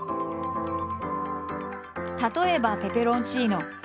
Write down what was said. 例えばペペロンチーノ。